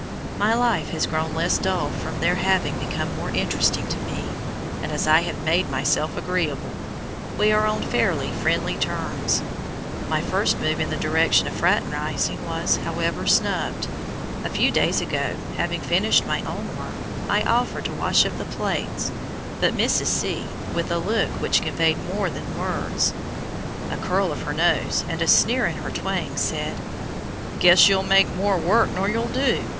My life has grown less dull from their having become more interesting to me, and as I have "made myself agreeable," we are on fairly friendly terms. My first move in the direction of fraternizing was, however, snubbed. A few days ago, having finished my own work, I offered to wash up the plates, but Mrs. C., with a look which conveyed more than words, a curl of her nose, and a sneer in her twang, said "Guess you'll make more work nor you'll do.